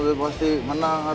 kamu pasti menang